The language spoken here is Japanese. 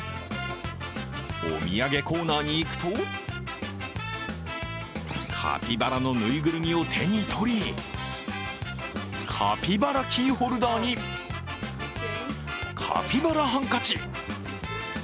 お土産コーナーに行くとカピバラのぬいぐるみを手に取り、カピバラキーホルダーにカピバラハンカチ。